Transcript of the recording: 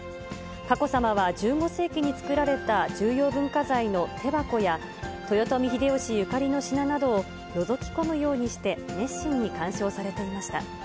佳子さまは、１５世紀に作られた重要文化財の手箱や、豊臣秀吉ゆかりの品などを、のぞき込むようにして、熱心に鑑賞されていました。